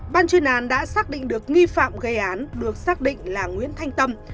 ban chuyên án đã xác định được nghi phạm gây án được xác định là nguyễn thanh tâm